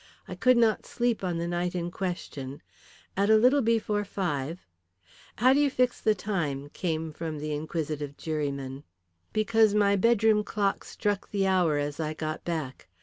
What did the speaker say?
"I could not sleep on the night in question. At a little before five " "How do you fix the time?" came from the inquisitive juryman, "Because my bedroom clock struck the hour as I got back.